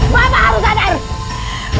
bapak harus aneh